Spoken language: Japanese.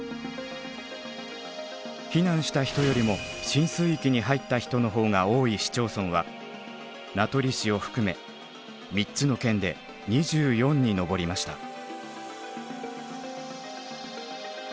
避難した人よりも浸水域に入った人の方が多い市町村は名取市を含め３つの県で２４に上りました。